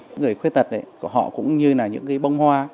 những người khuyên tật ấy họ cũng như là những cái bông hoa